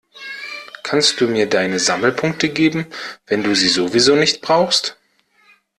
Kannst du mir deine Sammelpunkte geben, wenn du sie sowieso nicht brauchst?